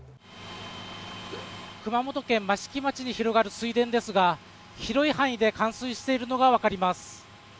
熊本県益城町に広がる水田ですが、広い範囲で冠水しているのが分かります。